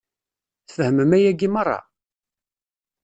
Tfehmem ayagi meṛṛa?